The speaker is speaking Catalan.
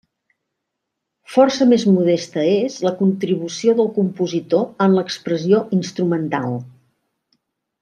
Força més modesta és la contribució del compositor en l'expressió instrumental.